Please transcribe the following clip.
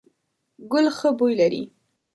ګل ښه بوی لري ….